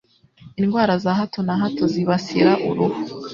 indwara za hato na hato zibasira uruhu